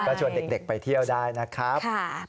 ก็ชวนเด็กไปเที่ยวได้นะครับ